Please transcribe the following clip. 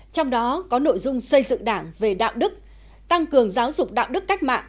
trong đó có nội dung xây dựng đảng về đạo đức tăng cường giáo dục đạo đức cách mạng